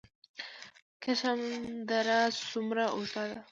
کشم دره څومره اوږده ده؟